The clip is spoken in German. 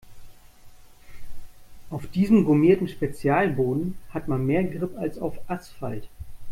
Auf diesem gummierten Spezialboden hat man mehr Grip als auf Asphalt.